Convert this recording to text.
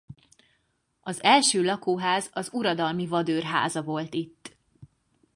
Az első lakóház az uradalmi vadőr háza volt itt.